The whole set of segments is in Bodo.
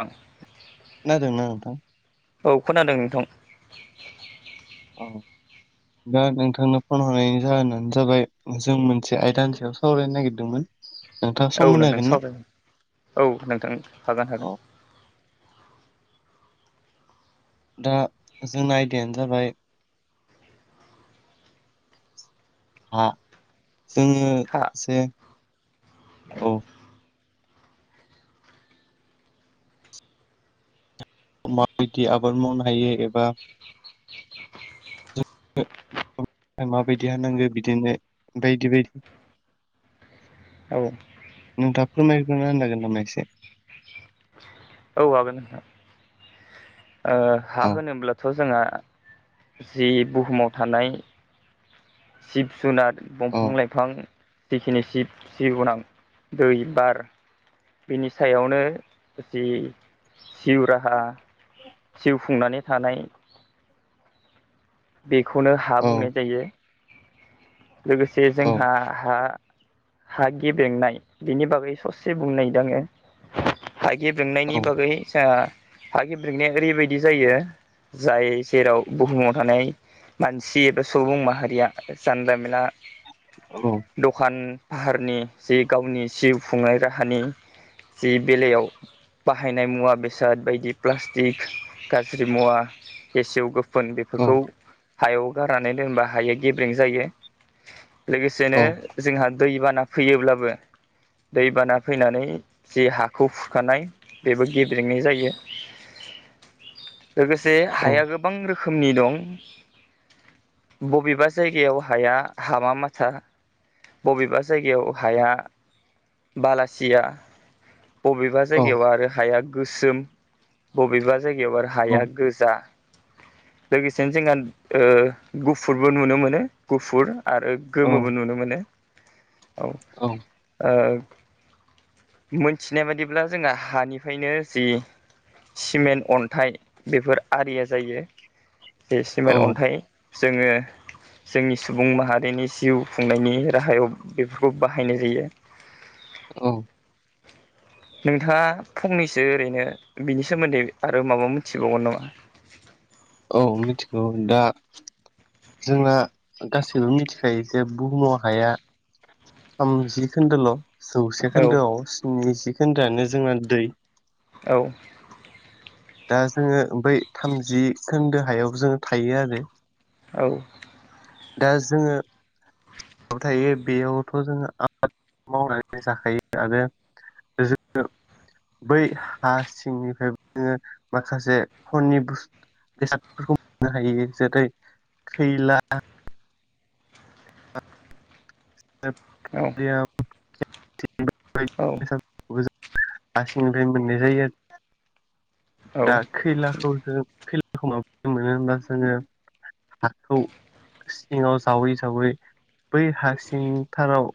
औ खोनादोंना नोंथां औ खोनादों नोंथां औ दा नोंथांनो फन हरनि जाहोनानो जाबाय जों मोनसे आयदानि सायाव सावरायनो नागिरदोंमोन नोंथाङा सम औ होनो नोंथां हागोन ना सावरायगोन औ नोंथां हागोन हागोन औ दा जोंना आयदायानो जाबाय हा जोङो हा से औ माबायदि आबाद मावनो हायो एबा माबायदि हानांगौ बिदिनो बायदि बायदि [inaudible] नों दा फोरमायनै होनो हागोन एसे औ हागोन नोंथां ओ हा औ होनोब्लाथ जोंहा जि बुहुमाव थानाय जिब जुनार औ दंफां लाइफां जिखिनि जिब जिउगोनां दै बार बिनि सायावनो जि जिउ राहा जिउ खुंनानै थानाय बेखौनो हा औ बुंनाय जायो लोगोसे औ जोंहा हा हागि बेंनाय बिनि बागै ससे बुंनो नागिरद आङो हागिर औ बेंनायनि बागै जोंहा हा गिब्रेगनाया ओरैबायदि जायो जाय जेराव बुहुमाव थानाय मानसि एबा सुबुं माहारिया जानलामेनला दखान फाहारनि जि गावनि जिउ खुंनाय राहानि जि बेलायाव बाहायनाय मुवा बेसाद बायदि प्लास्टिक गाज्रि मुवा गेसेव गो गुफोन औ बेफोरखौ हायाव गारनानै दोनबा हाया गेब्रें जायो लोगोसेनो औ जोंहा दैबाना फैयोब्लाबो दैबाना फैनानै जे हाखौ खुरखानाय बेबो गेब्रेेंनाय जायो लोगोसे औ हाया गोबां रोखोमनि दं बबेबा जायगायाव हाया हामा माथा बबेबा जायगायाव हाया बालासिया बबेबा जायगायाव आरो हाया गोसोम बबेबा जायगायाव आरो औ हाया गोजा लोगोसेनो जोंहा ओ गुफुरबो नुनो मोनो गुफुर आरो औ गोमोबो नुनो मोनो औ ओ मोनथिनाय बादिब्ला जोंहा हानिफ्रायनो जि सिमेन्ट अन्थाइ बेफोर आरिया जायो बे सिमेन्ट अन्थाइ जोङो जोंनि सुबुं माहारिनि जिउ खुंनायनि राहायाव बेफोरखौ बाहायनाय जायो [unintelligible] औ नोंथाङा फंनैसो ओरैनो बिनि सोमोन्दै आरो माबा मोनथिबावगोन नामा [unintelligible] औ मिथिगौ दा जोंना गासैबो मिथिखायो जे बुहुमाव हाया थामजि खोन्दोल' जौसे औ खोन्दोआव स्निजि खोन्दोआनो जोंना दै औ दा जोङो बै थामजि खोन्दो हायाव जोङो थायो आरो औ दा जोङो थायो बेयावथ' जोंङ आबाद मावनानै जाखायो आरो जोङो बै हा सिंनिफ्राय जोङो माखासे फननि बुस बेसादफोरखौ मोननो हायो जेरै खैला औ [unintelligible] औ बेसादफोरखौबो हा सिंनिफ्राय मोननाय जायो आरो औ दा खैलाखौ जों खैलाखौ माबदि मोनो होनोमबा जोङो हाखौ सिङाव जावै जावै बै हा सि सिंथाराव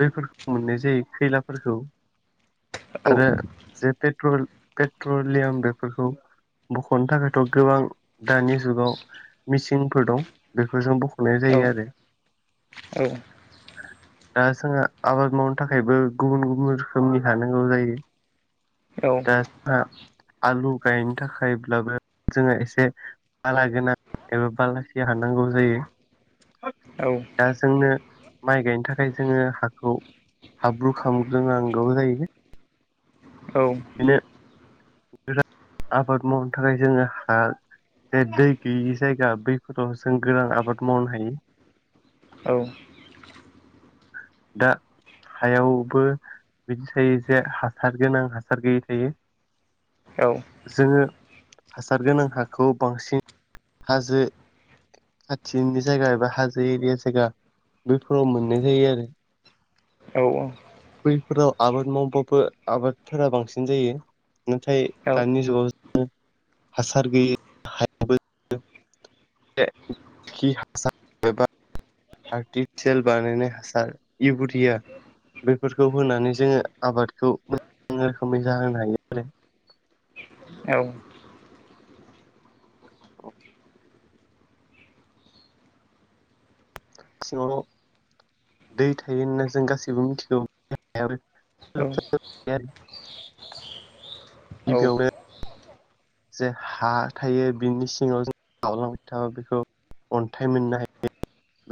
दैफोरखौ मोननाय जायो खैलाफोरखौ औ आरो जे पेट्रल पेट्रलियाम बेफोरखौ बख'नो थाखायथ' गोबां दानि जुगाव मिसिनफोर दं बेफोरजों बख'नाय औ जायो आरो दा जोंहा आबाद मावनो थाखायबो गुबुन गुबुन रोखोमनि हानांगौ जायो औ दा जोंहा आलु गायनो थाखायब्लाबो जोङो एसे बाला गोनां एबा बालासिया हा नांगौ जायो औ दा जोंनो माइ गायनो थाखाय जोङो हाखौ हाब्रु खामग्रोनांगौ जयो औ बिनो आबाद मावनो थाखाय जोङो हा जे दै गैयि जायगा बैफोराव जों गोरान आबाद मावनो हायो औ दा हायावबो बिदि थायो जे हासार गोनां हासार गैयै थायो जोङो हासार गोनां हाखौ बांसिन हाजो खाथिनि जायगा एबा हाजो एरिया जायगा बेफोराव मोननाय जायो आरो औ औ बैफोराव आबाद मावबो आबादफोरा बांसिन जायो नाथाय हा दानि जुगाव हासार गैयि हायाबो गोबोरखि हासार एबा आर्टिफिसियेल बानायनाय हासार इवरिया बेफोरखौ होनानै जोङो आबादखौ मोजां रोखोमै जाहोनो हायो आरो सिङाव दै थायो होनना जों गासैबो मिथिगौ [unintelligible] [unintelligible] जे हा थायो बिनि सिङांव जों जावलांबाय थाबा बेखौ अन्थाइ मोननो हायो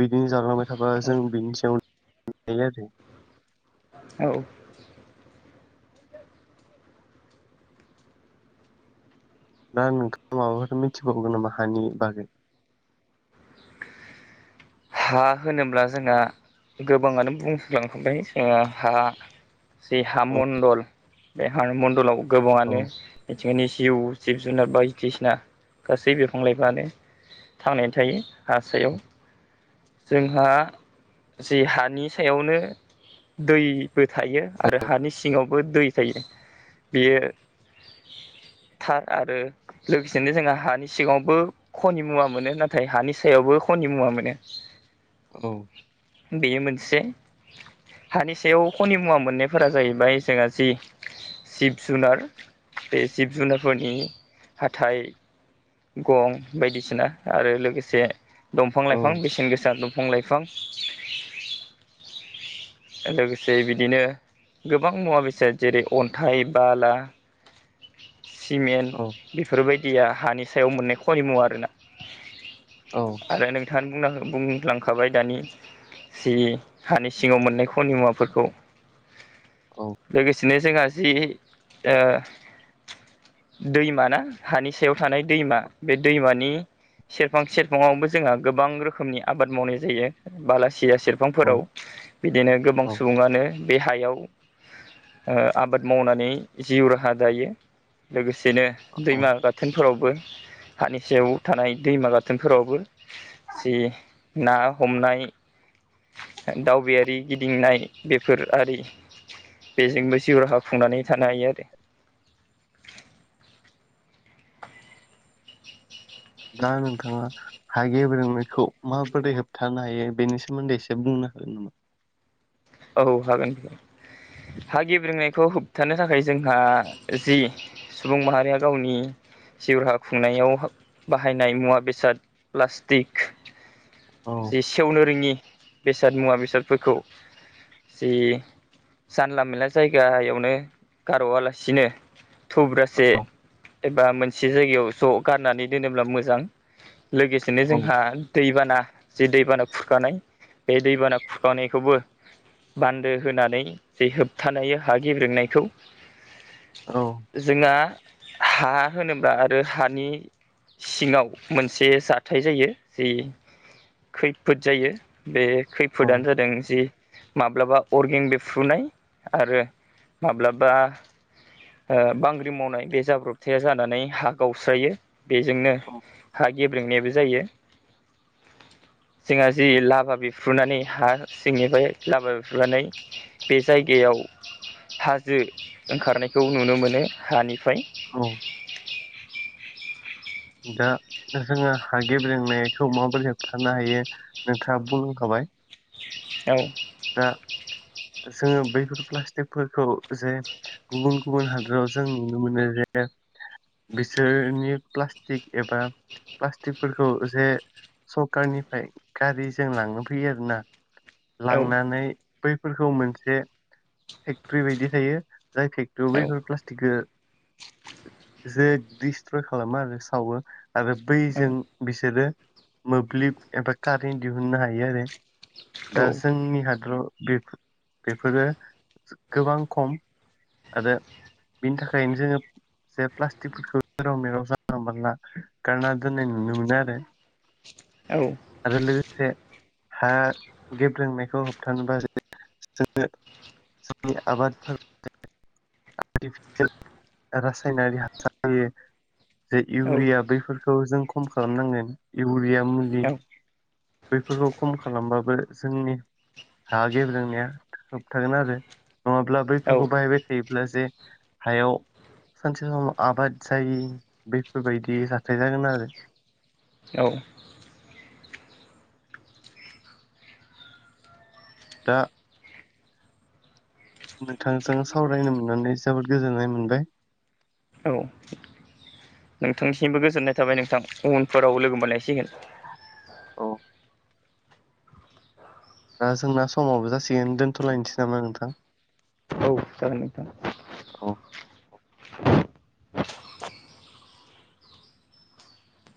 बिदिनो जावलांबाय थाबा जों बिनि सायावायो आरो औ दा नोंथांङा माबाफोर मिथिबावगोन नामा हानि बागै हा होनोब्ला जोंना गोबांङानो बुंसलांखांबाय जोंहा जि हा औ मण्डल बे हा मणडलाव औ गोबांङानो बिथिंनि जिउ जिब जुनार बायदिसिना गासै बिफां लाइफ्रानो थांनानै थायो हासायाव जोंहा जे हानि सायावनो दैबो थायो आरो हानि सिङांवबो दै थायो बियो थार आरो लोगोसेनो जोंहा हानि सिगाङांवबो खनि मुवा मोनो नाथाय हानि सायावबो खनि खनिमुवा मोनो औ बेयो मोनसे हानि सायाव खनि मुवा मोननायफोरा जाहैबाय जोंहा जि जिब जुनार बे जिब जुनारफोरनि हाथाइ गं बायदिसिना आरो लोगोसे दंफां औ लाइफां बेसेन गोसा दंफां बफां लाइफां लोगोसे बिदिनो गोबां मुवा बेसाद जेरै अन्थाइ बाला [inaudible] सिमेन्ट बेफोरबायदिया हानि सायाव मोननाय खनिमुवा आरोना औ आरो नोंथांङा बुंनो ह बुंलांखाबाय दानि जि हानि सिङांव मोननाय खनि मुवाफोरखौ औ लोगोसेनो जों जि दैमाना हानि सायाव थानाय दैमा बे दैमानि सेरफां सेरफांङावबो जोंहा गोबां रोखोमनि आबाद मावनाय जायो बालासि सिया सेरफांफोराव बिदिनो गोबां औ सुबुंङानो बे हायाव आबाद मावनानै जिउ राहा जायो लोगोसेनो औ दैमा गाथोनफोरावबो हानिसायाव थानाय दैमा गाथोनफोरावबो जि ना हमनाय दावबायारि गिदिंनाय बेफोर आरि बेजोंबो जिउ रावाहा खुंनानै थानो हायो आरो दा नोंथांङा हागे बेोंनायखौ माबोरै होबथानो हायो बेनि सोमोन्दै एसे बुंनो हागोन नामा औ हागोन हा गिब्रोंनायखौ होबथानो थाखाय जोंहा जि सुबुं माहारिया गावनि जिउहा खुंनायाव बाहायनाय मुवा बेसाद प्लास्टिक औ जि सेवनो रोंङि बेसाद मुवा बेसादफोरखौ जि जानला मोनला जायगायावनो गारवा लासिनो थुब्रासे एबा मोनसे जायगायाव ज' गारनानै दोनोब्ला मोजां लोगोसेनो औ जोंहा दैबाना जि दैबाना खुरखानाय बे दैबाना खुरखानायखौबो बान्दो होनानै जे होबथानाय हा गिब्रेंनायखौ औ जोंहा हा होनोब्ला आरो हानि सिङांव मोनसे जाथाय जायो जि खैफोद जायो बे खैफोदानो जादों जि माब्लाबा अर्गेन बेफ्रुनाय आरो माब्लाबा बांग्रि मावनाय बे जाब्रबथाया जानानै हा गावस्रायो बेजोंनो हा गेब्रेंनायाबो जायो जोंहा जि लाभा बिफ्रुनानै हा सिंनिफ्राय लाबा बेफ्रुनानै बे जायगायाव हाजो ओंखारनायखौ नुनो मोनो हानि फाय औ दा जोङो हा गेब्रेंनायखौ माबोरै होबथानो हायो नोंथाङा बुंलांखाबाय बाय औ दा जोङो बैफोर प्लास्टिकफोरखौ जे गुबुन गुबुन हादोराव जों नुनो मोनो जे बिसोरनि प्लास्टिक एबा प्लास्टिकफोरखौ जे सरखारनिफ्राय गारिजों लांनो फैयो आरोना औ लांनानै बैफोरखौ मोनसे फेक्ट्रि बायदि थायो जाय फेक्ट्रियाव औ बैफोर प्लास्टिकखौ जे दिस्ट्रय खालामो आरो सावो आरो औ बैजों बिसोरो मोब्लिब एबा कारेन्ट दिहुननो हायो आरो औ हाद्र बेफो बेफोरो गोबां खम आरो बिनि थाखायनो जोङो जे प्लास्टिकफोरखौ जेराव मेराव जानला मोनला गारना दोननाय नुनो मोनो आरो औ आरो लो से हा गेब्रेंनायखौ होबथानोबा जो जोङो सनि आबाद फोर [unintelligible] आर्टिफिसियेल रासायनारि हासार [unintelligible] जे इउरिया बैफोरखौ जों खम खालामनांगोन इउ बेयो मुलि बैफोरखौ खम खालामबाबो जोंनि हा गेब्रेंनाया होबथागोन आरो नङाब्ला औ बैफोरखौ बाहायबाय ब्ला जे हायाव सानसे समाव आबाद जायि बेफोरबायदि जाथाय जागोन आरो औ दा नोंथांजों सावरायनो मोननानै जोबोद गोजोननाय मोनबाय औ नोंथांनिसिमबो गोजोननाय थाबाय नोंथां उनफोराव लोगो मोनलायसिगोन औ दा जोंना समावबो जासिगोन दोन्थ'लायनोसै नामा नोंथां औ जागोन नोंथां औ